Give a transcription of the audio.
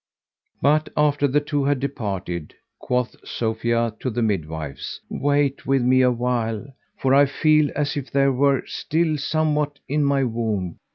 But, after the two had departed, quoth Sophia to the midwives, "Wait with me awhile, for I feel as if there were still somewhat in my womb."